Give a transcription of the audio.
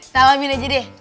salamin aja deh